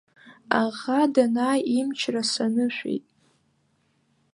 Аӷа данааи, имчра санышәеит.